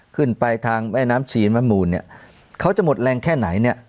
ขึ้นไปทางแม่น้ำชีนแม่มูลเนี่ยเขาจะหมดแรงแค่ไหนเนี่ย